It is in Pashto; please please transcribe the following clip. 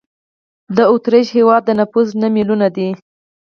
د اوترېش هېواد نفوس نه میلیونه دی.